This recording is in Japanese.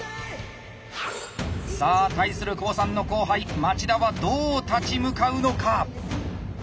さあ対する久保さんの後輩町田はどう立ち向かうのか。